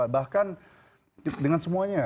bahkan dengan semuanya